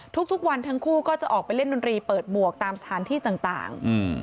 ทุกวันทั้งคู่ก็จะออกไปเล่นดนตรีเปิดหมวกตามสถานที่ต่าง